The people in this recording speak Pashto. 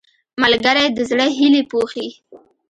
ملګری د زړه هیلې پوښي